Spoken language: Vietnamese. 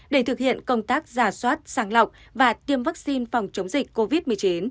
để thực hiện công tác giả soát sàng lọc và tiêm vaccine phòng chống dịch covid một mươi chín